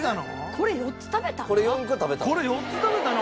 これ４つ食べたの？